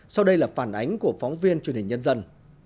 sau đây là phản ánh của phóng viên truyền hình nhân dân